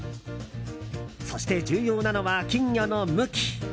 そして重要なのは金魚の向き。